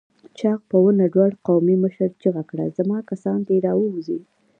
چاغ په ونه لوړ قومي مشر چيغه کړه! زما کسان دې راووځي!